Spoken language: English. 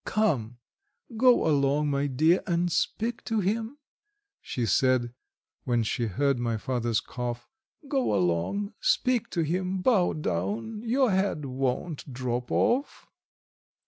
... "Come, go along, my dear, and speak to him," she said, when she heard my father's cough. "Go along, speak to him; bow down, your head won't drop off."